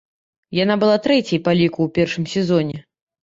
Яна была трэцяй па ліку ў першым сезоне.